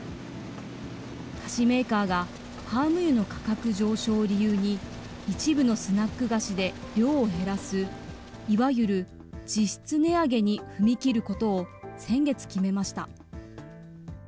菓子メーカーが、パーム油の価格上昇を理由に、一部のスナック菓子で量を減らす、いわゆる、実質値上げに踏み切ることを先月決めました。